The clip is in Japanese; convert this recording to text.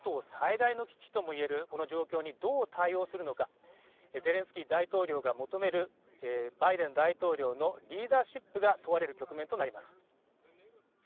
最大の危機ともいえる状況にどう対応するのか、ゼレンスキー大統領が求めるバイデン大統領のリーダーシップが問われる局面となります。